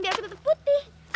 biar aku tetep putih